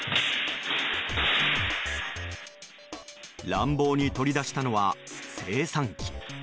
乱暴に取り出したのは精算機。